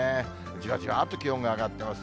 じわじわっと気温が上がってます。